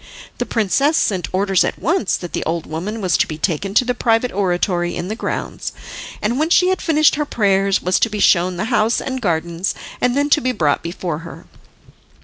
The princess sent orders at once that the old woman was to be taken to the private oratory in the grounds, and when she had finished her prayers was to be shown the house and gardens, and then to be brought before her.